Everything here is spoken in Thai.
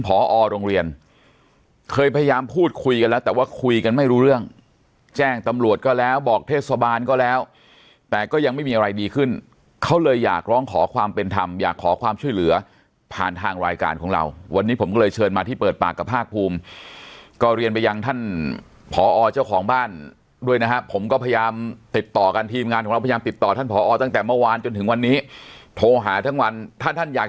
ผอโรงเรียนเคยพยายามพูดคุยกันแล้วแต่ว่าคุยกันไม่รู้เรื่องแจ้งตำรวจก็แล้วบอกเทศบาลก็แล้วแต่ก็ยังไม่มีอะไรดีขึ้นเขาเลยอยากร้องขอความเป็นธรรมอยากขอความช่วยเหลือผ่านทางรายการของเราวันนี้ผมก็เลยเชิญมาที่เปิดปากกับภาคภูมิก็เรียนไปยังท่านผอเจ้าของบ้านด้วยนะฮะผมก็พยายามติดต่อกันท